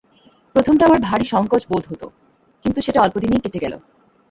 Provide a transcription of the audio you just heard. প্রথমটা আমার ভারি সংকোচ বোধ হত, কিন্তু সেটা অল্প দিনেই কেটে গেল।